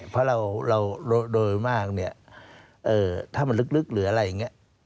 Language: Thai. เพราะเราโดยมากเนี่ยถ้ามันลึกหรืออะไรอย่างนี้